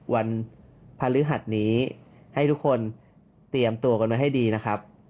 วันพฤหัสนี้ให้ทุกคนเตรียมตัวกันไว้ให้ดีนะครับ